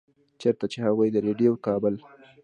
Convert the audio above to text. چرته چې هغوي د ريډيؤ کابل